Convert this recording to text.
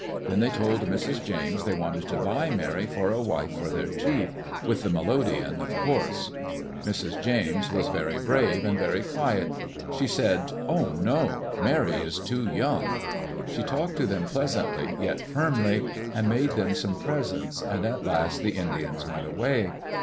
Then they told Mrs. James they wanted to buy Mary for a wife for their chief — with the melodeon, of course. Mrs. James was very brave and very quiet. She said, Oh, no, Mary is too young." She talked to them pleas antly, yet firmly, and made them some presents, and at last the Indians went away.